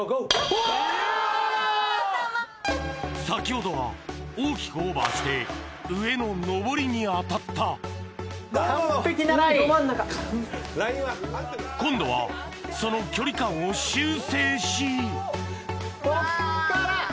先ほどは大きくオーバーして上ののぼりに当たった今度はその距離感を修正しこっから！